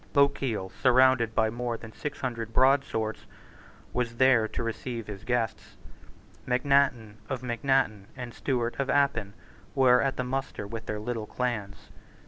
Lochiel, surrounded by more than six hundred broadswords, was there to receive his guests. Macnaghten of Macnaghten and Stewart of Appin were at the muster with their little clans.